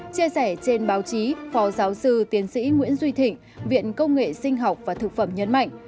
chia sẻ trên báo chí phó giáo sư tiến sĩ nguyễn duy thịnh viện công nghệ sinh học và thực phẩm nhấn mạnh